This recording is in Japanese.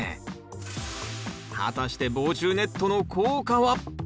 果たして防虫ネットの効果は？